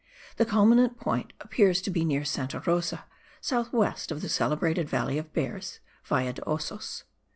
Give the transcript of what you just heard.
The culminant point appears to be near Santa Rosa, south west of the celebrated Valley of Bears (Valle de Osos).